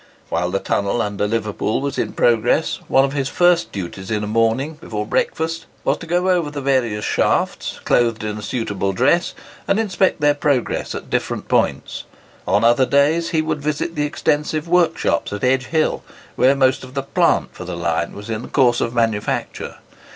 While the tunnel under Liverpool was in progress, one of his first duties in a morning before breakfast was to go over the various shafts, clothed in a suitable dress, and inspect their progress at different points; on other days he would visit the extensive workshops at Edgehill, where most of the "plant" for the line was in course of manufacture.